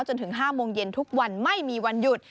จนถึง๕โมงเย็นทุกวันไม่มีวันหยุด